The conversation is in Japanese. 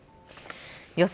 予想